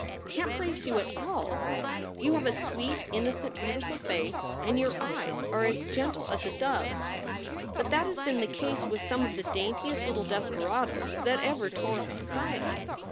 "Can t place you at all. You have a sweet, innocent, beautiful face and your eyes are as gentle as a dove s. But that has been the case with some of the daintiest little desperadoes that ever tore up society.